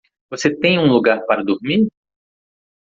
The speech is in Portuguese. Você tem um lugar para dormir?